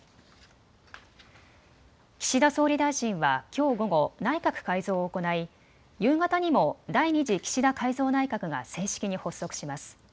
岸田総理大臣はきょう午後、内閣改造を行い夕方にも第２次岸田改造内閣が正式に発足します。